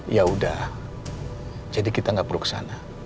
yaudah jadi kita gak perlu kesana